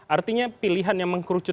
artinya pilihan yang mengkumpulkan